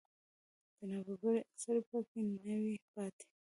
د نابرابرۍ اثر په کې نه وي پاتې